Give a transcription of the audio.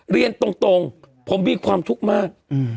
เรียนตรงผมมีความทุกข์มาก